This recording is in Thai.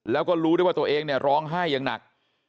แล้วก็รู้ได้ว่าตัวเองเนี่ยร้องไห้อย่างหนัก